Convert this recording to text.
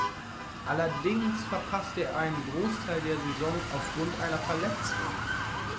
Allerdings verpasste er einen Großteil der Saison aufgrund einer Verletzung.